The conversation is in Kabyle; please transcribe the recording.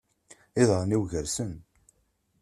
Iḍarren-iw gersen.